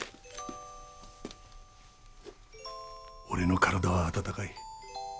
俺の体は温かい。